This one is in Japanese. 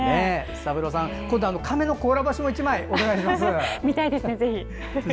三郎さん、今度は亀の甲羅干しも１枚お願いします。